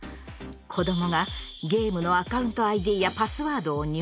子どもがゲームのアカウントＩＤやパスワードを入力。